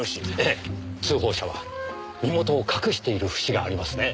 ええ通報者は身元を隠している節がありますね。